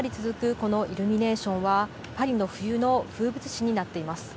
このイルミネーションは、パリの冬の風物詩になっています。